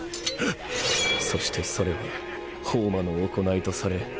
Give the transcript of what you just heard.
そしてそれはホウマの行いとされ